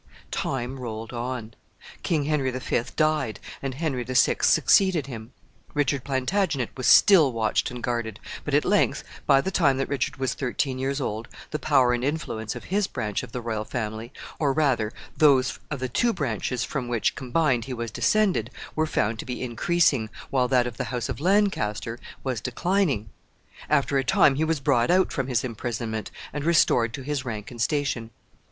Time rolled on. King Henry the Fifth died, and Henry the Sixth succeeded him. Richard Plantagenet was still watched and guarded; but at length, by the time that Richard was thirteen years old, the power and influence of his branch of the royal family, or rather those of the two branches from which, combined, he was descended, were found to be increasing, while that of the house of Lancaster was declining. After a time he was brought out from his imprisonment, and restored to his rank and station.